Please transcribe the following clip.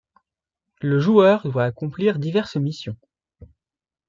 Le joueur doit accomplir diverses missions.